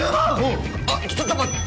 うんあっちょっと待っ